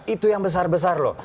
itu yang besar besar loh